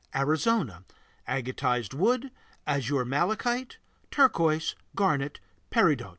Arizona Agatized wood, azur malachite, turquoise, garnet, peridot.